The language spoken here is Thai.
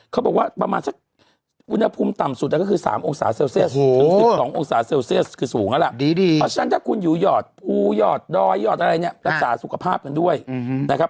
เขาบอกว่าประมาณสักอุณหภูมิต่ำสุดก็คือ๓องศาเซลเซียสถึง๑๒องศาเซลเซียสคือสูงแล้วล่ะดีเพราะฉะนั้นถ้าคุณอยู่หยอดภูหยอดดอยยอดอะไรเนี่ยรักษาสุขภาพกันด้วยนะครับ